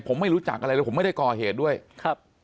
ผมไม่รู้จักอะไรเลยผมไม่ได้ก่อเหตุด้วยครับ